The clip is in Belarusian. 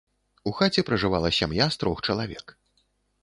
У хаце пражывала сям'я з трох чалавек.